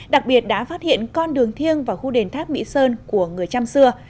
đặc biệt đã phát hiện con đường thiêng vào khu đền tháp mỹ sơn của người trăm xưa